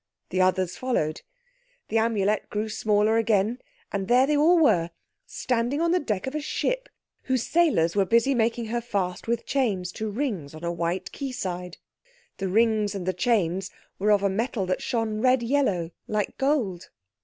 The others followed. The Amulet grew smaller again, and there they all were, standing on the deck of a ship whose sailors were busy making her fast with chains to rings on a white quay side. The rings and the chains were of a metal that shone red yellow like gold.